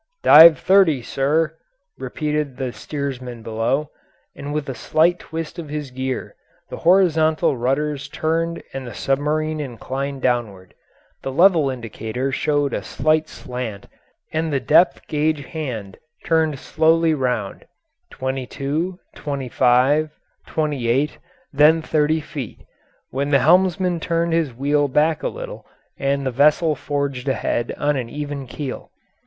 "Dive thirty, sir," repeated the steersman below, and with a slight twist of his gear the horizontal rudders turned and the submarine inclined downward; the level indicator showed a slight slant and the depth gauge hand turned slowly round twenty two, twenty five, twenty eight, then thirty feet, when the helmsman turned his wheel back a little and the vessel forged ahead on a level keel.